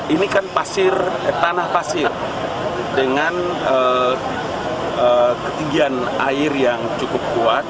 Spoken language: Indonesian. ini kan tanah pasir dengan ketinggian air yang cukup kuat